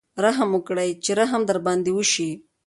رحم وکړئ چې رحم در باندې وشي.